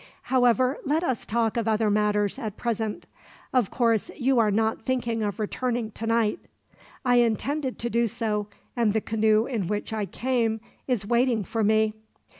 "However, let us talk of other matters, at present. Of course, you are not thinking of returning tonight?" "I intended to do so, and the canoe in which I came is waiting for me."